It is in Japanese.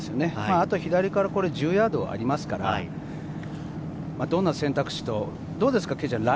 あとは左から１０ヤードありますから、どんな選択肢とライはどうですか？